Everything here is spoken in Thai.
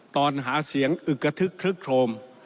ตอนหาเสียงอึกกระทึกคลึกโครม